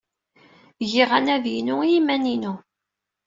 Giɣ anadi-inu i yiman-inu.